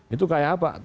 itu kayak apa